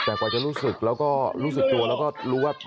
แต่กว่าจะรู้สึกแล้วก็รู้สึกตัวแล้วก็รู้ว่า